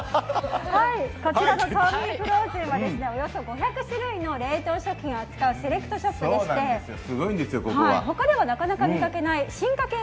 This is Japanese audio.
ＴＯＭＩＮＦＲＯＺＥＮはおよそ５００種類の冷凍食品を扱うセレクトショップでして他ではなかなか見かけない進化系